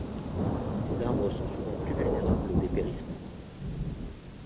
Ces arbres sont souvent plus vulnérables au dépérissement.